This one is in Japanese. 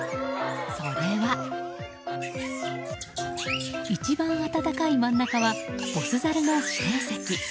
それは、一番温かい真ん中はボスザルの指定席。